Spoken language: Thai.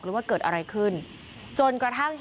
ค่ะว่าเกิดอะไรขึ้น